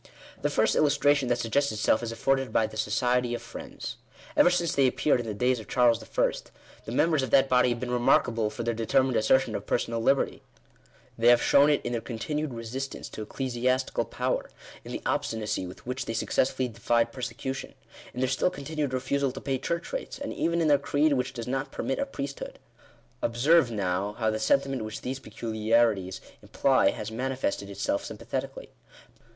The first illustration that suggests itself is afforded by the Society of Friends. Ever since they appeared in the days of Charles I., the members of that body have been remarkable for their determined assertion of personal liberty. They have shown it in their continued resistance to ecclesiastical power; in the obstinacy with which they successfully defied persecution ; in their still continued refusal to pay church rates ; and evep Digitized by VjOOQIC SECONDARY DERIVATION OF A FIRST PRINCIPLE. 99 in their creed, which does not permit a priesthood. Observe, now, how the sentiment which these peculiarities imply has manifested itself sympathetically.